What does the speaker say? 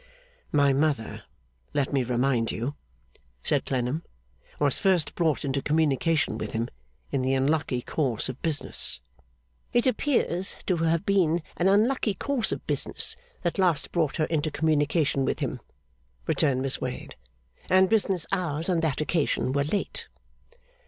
'My mother, let me remind you,' said Clennam, 'was first brought into communication with him in the unlucky course of business.' 'It appears to have been an unlucky course of business that last brought her into communication with him,' returned Miss Wade; 'and business hours on that occasion were late.